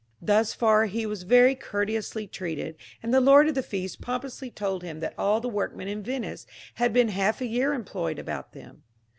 Thus far he was very courteously treated; and the lord of the feast pompously told him that all the workmen in Venice had been half a year employed about them.